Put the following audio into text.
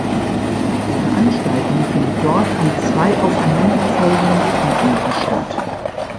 Die Veranstaltung findet dort an zwei aufeinander folgenden Wochenenden statt.